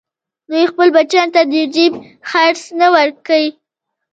دوی خپلو بچیانو ته د جېب خرڅ نه ورکوي